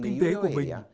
kinh tế của mình